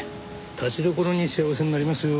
たちどころに幸せになれますよ。